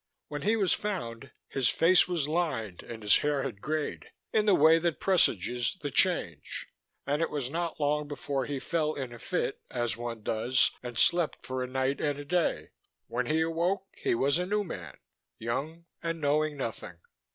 When he was found his face was lined and his hair had greyed, in the way that presages the Change. And it was not long before he fell in a fit, as one does, and slept for a night and a day. When he awoke he was a newman: young and knowing nothing."